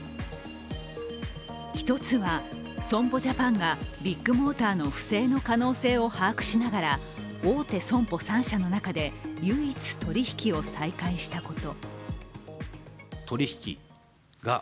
１つは、損保ジャパンがビッグモーターの不正の可能性を把握しながら大手損保３社の中で唯一、取り引きを再開したこと。